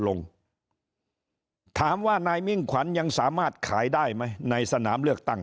ลงถามว่านายมิ่งขวัญยังสามารถขายได้ไหมในสนามเลือกตั้ง